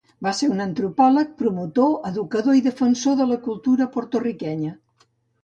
Va ser un antropòleg, promotor, educador i defensor de la cultura porto-riquenya.